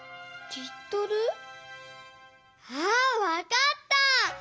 あわかった！